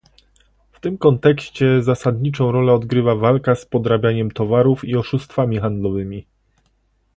W tym kontekście zasadniczą rolę odgrywa walka z podrabianiem towarów i oszustwami handlowymi